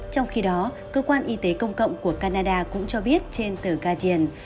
trong khi đó cơ quan y tế công cộng của canada cũng cho biết trên tờ gation